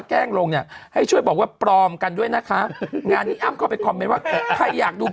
ยังลงอย่าให้ช่วยบอกว่าปลอมกันด้วยนะคะงานก็ให้อยากดู